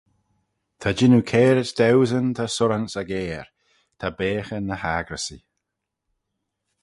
Ta jannoo cairys dauesyn ta surranse aggair: ta beaghey ny accryssee.